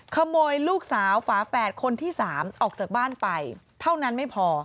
ขโมยลูกสาวฝาแฝดคนที่๓ออกจากบ้านไปเท่านั้นไม่พอ